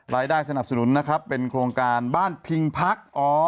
รายได้สนับสนุนนะครับเป็นโครงการบ้านพิงพัก